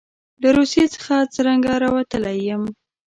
له روسیې څخه څرنګه راوتلی یم.